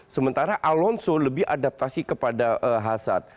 sementara alonso lebih adaptasi kepada hazard